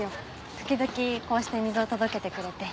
時々こうして水を届けてくれて。